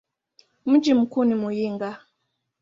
Mji mkuu ni Muyinga.